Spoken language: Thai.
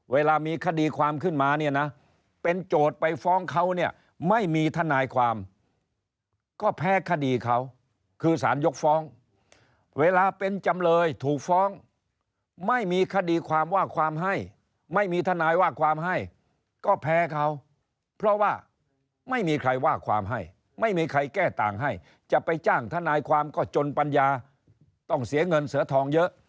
เวลามีคดีความขึ้นมาเนี่ยนะเป็นโจทย์ไปฟ้องเขาเนี่ยไม่มีทนายความก็แพ้คดีเขาคือสารยกฟ้องเวลาเป็นจำเลยถูกฟ้องไม่มีคดีความว่าความให้ไม่มีทนายว่าความให้ก็แพ้เขาเพราะว่าไม่มีใครว่าความให้ไม่มีใครแก้ต่างให้จะไปจ้างทนายความก็จนปัญญาต้องเสียเงินเสียทองเยอะ